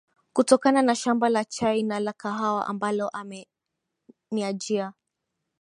kutokana na shamba la chai na la kahawa ambalo ameniajia